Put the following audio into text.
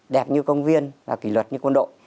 đẹp như công viên kỷ luật như quân đội